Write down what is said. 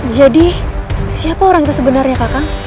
jadi siapa orang itu sebenarnya kakam